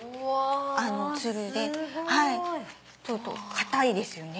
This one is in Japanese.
硬いですよね。